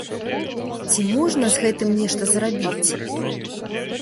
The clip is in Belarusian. Ці можна з гэтым нешта зрабіць?